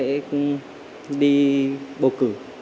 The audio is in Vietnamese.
em đi bầu cử